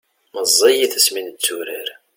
meẓẓiyit asmi netturar